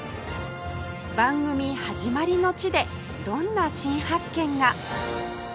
番組始まりの地でどんな新発見が？